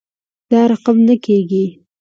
دا رقم نه کیږي